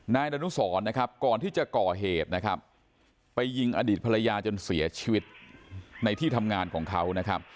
นายดนตรุษรก่อนที่จะก่อเหตุไปยิงอดีตภรรยาจนเสียชีวิตในที่ทำงานของเขา